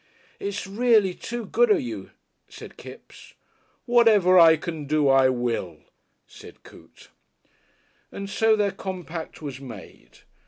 "It's reely too good of you," said Kipps. "Whatever I can do I will," said Coote. And so their compact was made.